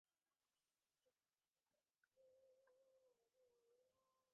অন্য কোন ভাব সম্ভব নয়।